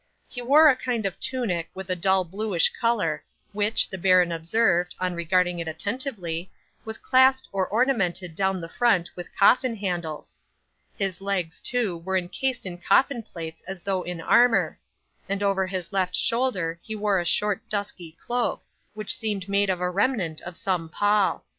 He wore a kind of tunic of a dull bluish colour, which, the baron observed, on regarding it attentively, was clasped or ornamented down the front with coffin handles. His legs, too, were encased in coffin plates as though in armour; and over his left shoulder he wore a short dusky cloak, which seemed made of a remnant of some pall.